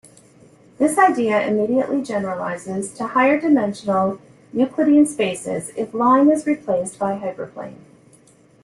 This idea immediately generalizes to higher-dimensional Euclidean spaces if line is replaced by hyperplane.